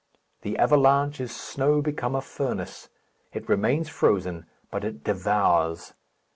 The avalanche is snow become a furnace. It remains frozen, but it devours.